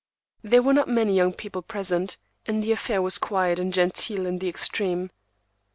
There were not many young people present, and the affair was quiet and genteel in the extreme.